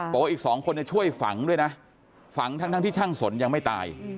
บอกว่าอีก๒คนช่วยฝังด้วยนะฝังทั้งที่ช่างสนยังไม่ตาย